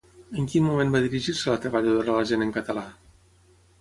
En quin moment va dirigir-se la treballadora a l'agent en català?